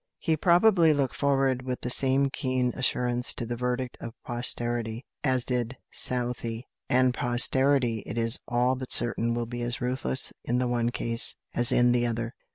He probably looked forward with the same keen assurance to the verdict of posterity as did Southey; and posterity it is all but certain will be as ruthless in the one case as in the other.